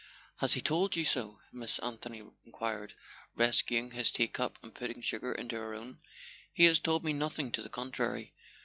"Has he told you so?" Miss Anthony enquired, rescuing his teacup and putting sugar into her own. "He has told me nothing to the contrary.